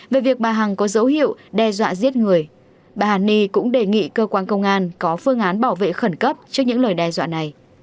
về việc bà hằng có dấu hiệu đe dọa giết người bà hàn ni cũng đề nghị cơ quan công an có phương án bảo vệ khẩn cấp trước những lời đe dọa này